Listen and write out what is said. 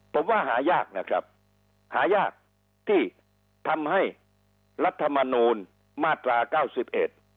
ผมว่าหายากนะครับหายากที่ทำให้รัฐมนูลมาตราเก้าสิบเอ็ด